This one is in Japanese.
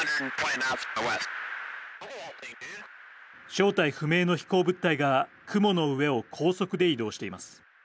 正体不明の飛行物体が雲の上を高速で移動しています。